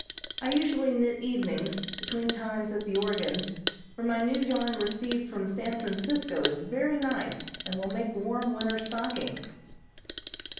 I usually knit evenings, between times at the organ, for my new yarn received from San Francisco is very nice, and will make warm winter stockings.